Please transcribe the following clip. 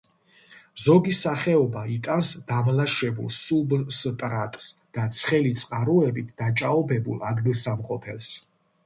ზოგი სახეობა იტანს დამლაშებულ სუბსტრატს და ცხელი წყაროებით დაჭაობებულ ადგილსამყოფელს.